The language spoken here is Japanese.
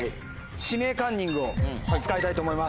「指名カンニング」を使いたいと思います。